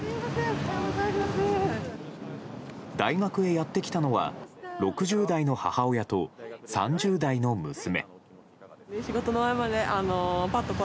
大学へやってきたのは６０代の母親と３０代の娘。